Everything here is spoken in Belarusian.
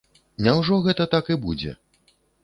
Няўжо гэта так і будзе?